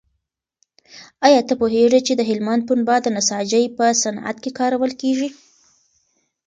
ایا ته پوهېږې چې د هلمند پنبه د نساجۍ په صنعت کې کارول کېږي؟